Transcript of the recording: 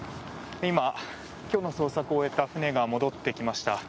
今、今日の捜索を終えた船が戻ってきました。